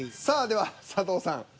さあでは佐藤さん。